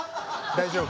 大丈夫。